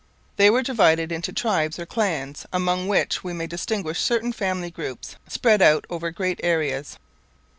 They were divided into tribes or clans, among which we may distinguish certain family groups spread out over great areas.